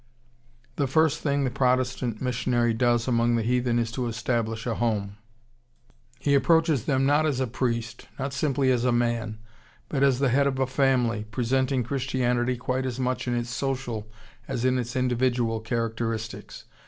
The first thing the Protestant missionary does among the heathen is to establish a home. He approaches them not as a priest, not simply as a man, but as the head of a family, presenting Christianity quite as much in its social as in its individual characteristics.